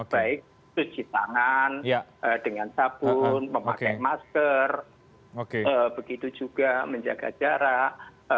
baik cuci tangan dengan sabun memakai masker begitu juga menjaga jarak